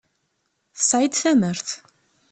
Tesɛiḍ tamert.